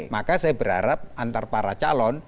maka saya berharap antar para calon